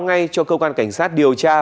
ngay cho cơ quan cảnh sát điều tra